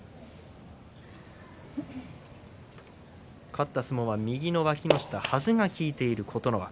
勝った相撲は右のわきの下はずが効いている琴ノ若。